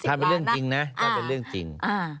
ถ้าเป็นเรื่องจริงนะถ้าเป็นเรื่องจริง